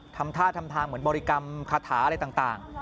ทำท่าทำทางเหมือนบริกรรมคาถาอะไรต่าง